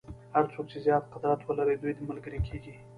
هر څوک چې زیات قدرت ولري دوی ملګري کېږي.